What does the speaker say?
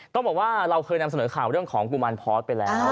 ต้องบอกว่าเราเคยนำเสนอข่าวเรื่องของกุมารพอร์ตไปแล้ว